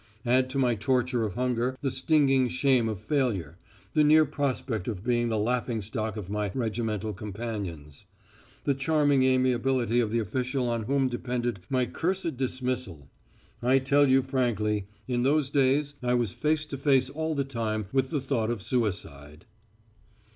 Add to my torture of hunger the stinging shame of failure; the near prospect of being the laughing stock of my regimental companions; the charming amiability of the official on whom depended my cursed 'dismissal'.... I tell you frankly, in those days I was face to face all the time with the thought of suicide.